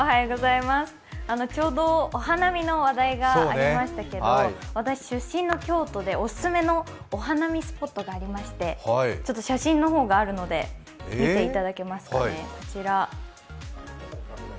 ちょうどお花見の話題がありましたけど、私、出身の京都で、おすすめのお花見スポットがありまして写真の方があるので、見ていただけますかね、こちら。